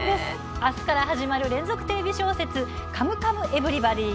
あすから始まる連続テレビ小説「カムカムエヴリバディ」。